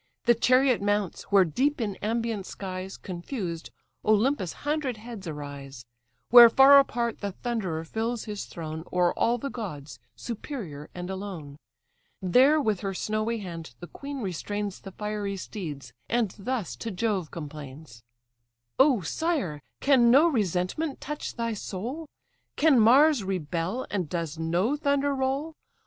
The chariot mounts, where deep in ambient skies, Confused, Olympus' hundred heads arise; Where far apart the Thunderer fills his throne, O'er all the gods superior and alone. There with her snowy hand the queen restrains The fiery steeds, and thus to Jove complains: "O sire! can no resentment touch thy soul? Can Mars rebel, and does no thunder roll?